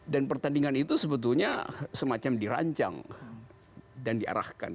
dan pertandingan itu sebetulnya semacam dirancang dan diarahkan